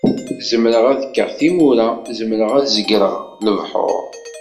Zemreɣ ad kkeɣ timura zemreɣ ad zegreɣ lebḥur.